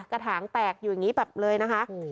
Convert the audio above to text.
กระถางแตกอยู่อย่างนี้แบบเลยนะคะ